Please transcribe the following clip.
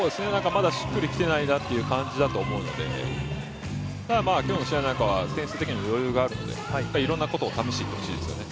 まだしっくりきてないなという感じだと思うのでただ、今日の試合なんかは点数的にも余裕があるのでいろんなことを試していってほしいですよね。